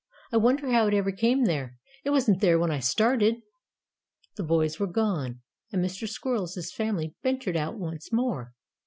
I wonder how it ever came there. It wasn't there when I started." The boys were gone, and Mr. Squirrel's family ventured out once more.